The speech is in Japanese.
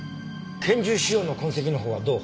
拳銃使用の痕跡のほうはどう？